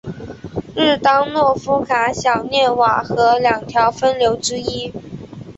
日当诺夫卡小涅瓦河两条分流之一。